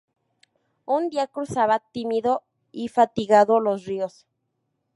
Un día, cruzaba tímido y fatigado los ríos.